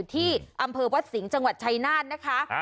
ที่อำเภอวัดสิงห์จังหวัดชายนาฏนะคะ